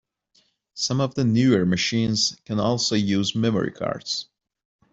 Some of the newer machines can also use memory cards.